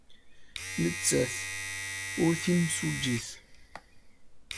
Nettat ur d timsujjit.